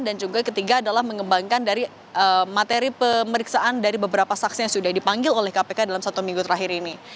dan juga ketiga adalah mengembangkan dari materi pemeriksaan dari beberapa saksen yang sudah dipanggil oleh kpk dalam satu minggu terakhir ini